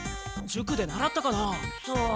塾で習ったかな？さあ？